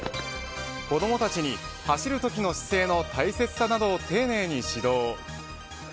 子どもたちに走るときの姿勢の大切さなどを丁寧に指導。